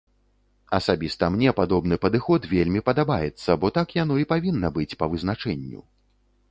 Асабіста мне падобны падыход вельмі падабаецца, бо так яно і павінна быць па вызначэнню.